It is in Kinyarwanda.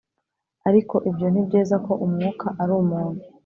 Ariko ibyo ntibyeza ko umwuka ari umuntu